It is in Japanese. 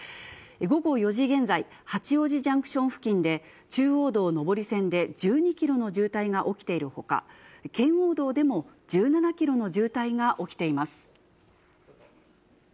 午後４時現在、八王子ジャンクション付近で中央道上り線で１２キロの渋滞が起きているほか、圏央道でも１７キロの渋滞が起きています。